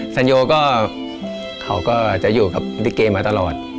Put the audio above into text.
สั่นโยก็จะอยู่กับลิเกมาตลอด